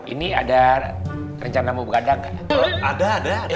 ini ada rencana mau ada ada